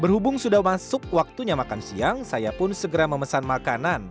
berhubung sudah masuk waktunya makan siang saya pun segera memesan makanan